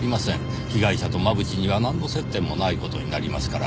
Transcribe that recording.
被害者と真渕にはなんの接点もない事になりますから。